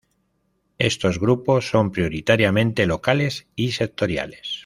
Estos grupos son prioritariamente locales y sectoriales.